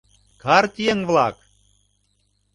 — Карт еҥ-влак!